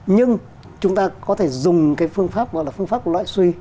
nhưng chúng ta có thể dùng cái phương pháp gọi là phương pháp loại suy